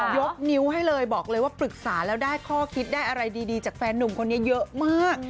ยกนิ้วให้เลยบอกเลยว่าปรึกษาแล้วได้ข้อคิดได้อะไรดีจากแฟนหนุ่มคนนี้เยอะมาก